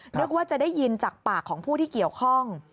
นึกว่าจะได้ยินจากปากของผู้ที่เกี่ยวข้อง